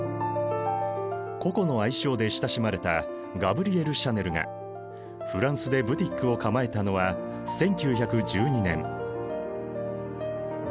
ココの愛称で親しまれたガブリエル・シャネルがフランスでブティックを構えたのは１９１２年。